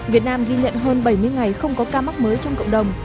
việt nam ghi nhận hơn bảy mươi ngày không có ca mắc mới trong cộng đồng